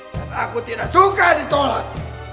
dan aku tidak suka ditolak